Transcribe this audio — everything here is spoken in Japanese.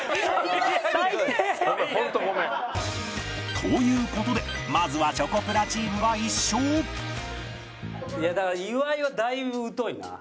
という事でまずはチョコプラチームが１勝だから岩井はだいぶ疎いな。